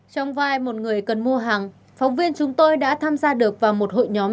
trong vai một người cần mua hàng phóng viên chúng tôi đã tham gia được vào một hội nhóm